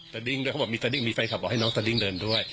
ดิ้งด้วยเขาบอกมีสดิ้งมีแฟนคลับบอกให้น้องสดิ้งเดินด้วย